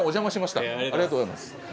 ありがとうございます。